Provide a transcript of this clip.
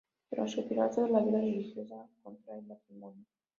Tras retirarse de la vida religiosa, contrae matrimonio.